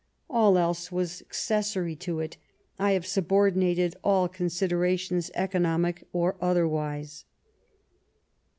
All else was accessory ; to it I have subordinated all considerations, economic or otherwise."